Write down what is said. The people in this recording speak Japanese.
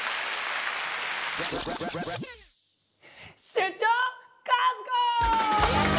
「出張和子」！